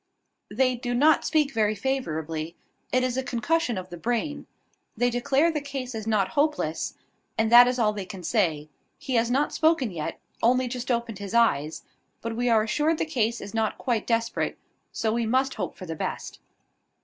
"They do not speak very favourably. It is a concussion of the brain. They declare the case is not hopeless, and that is all they can say. He has not spoken yet; only just opened his eyes: but we are assured the case is not quite desperate; so we must hope for the best."